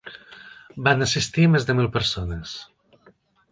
Van assistir més de mil persones.